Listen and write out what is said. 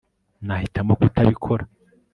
nahitamo kutabikora